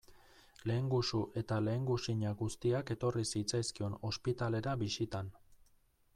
Lehengusu eta lehengusina guztiak etorri zitzaizkion ospitalera bisitan.